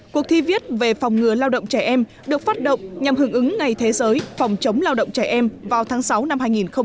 cuộc thi viết về phòng ngừa lao động trẻ em được phát động nhằm hưởng ứng ngày thế giới phòng chống lao động trẻ em vào tháng sáu năm hai nghìn một mươi chín